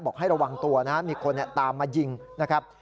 บอกให้ระวังตัวนะมีคนตามมายิงนะครับ